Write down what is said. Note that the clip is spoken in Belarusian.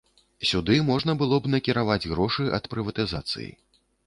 Сюды можна было б накіраваць грошы ад прыватызацыі.